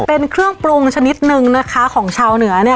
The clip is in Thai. เป็นเครื่องปรุงชนิดนึงนะคะของชาวเหนือเนี่ย